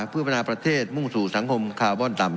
เพื่อพัฒนาประเทศมุ่งสู่สังคมคาร์บอนต่ำ